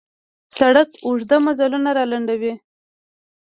سړک اوږده مزلونه را لنډوي.